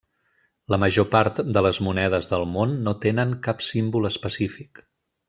La major part de les monedes del món no tenen cap símbol específic.